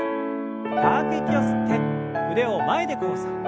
深く息を吸って腕を前で交差。